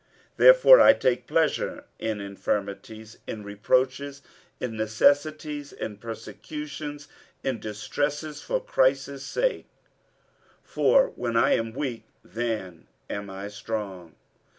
47:012:010 Therefore I take pleasure in infirmities, in reproaches, in necessities, in persecutions, in distresses for Christ's sake: for when I am weak, then am I strong.